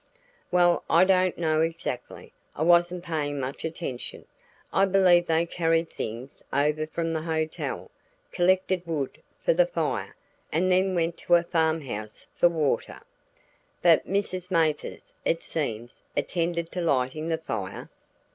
"Well, I don't know exactly. I wasn't paying much attention. I believe they carried things over from the hotel, collected wood for the fire, and then went to a farm house for water." "But Mrs. Mathers, it seems, attended to lighting the fire?"